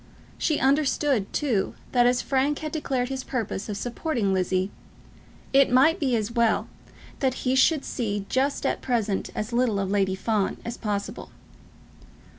She understood, too, that as Frank had declared his purpose of supporting Lizzie, it might be as well that he should see just at present as little of Lady Fawn as possible.